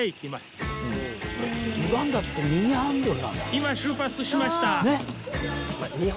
今出発しました。